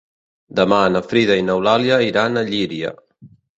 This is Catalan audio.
Demà na Frida i n'Eulàlia iran a Llíria.